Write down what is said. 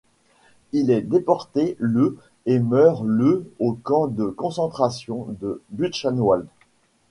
Il est déporté le et meurt le au camp de concentration de Buchenwald.